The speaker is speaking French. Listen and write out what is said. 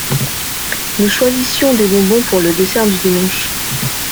Nous choisissions des bonbons pour le dessert du dimanche.